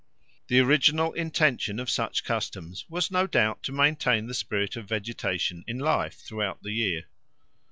The original intention of such customs was no doubt to maintain the spirit of vegetation in life throughout the year.